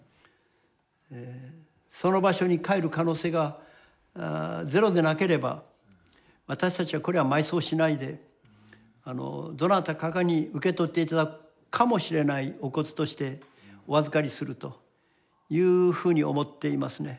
その場所に帰る可能性がゼロでなければ私たちはこれは埋葬しないでどなたかに受け取って頂くかもしれないお骨としてお預かりするというふうに思っていますね。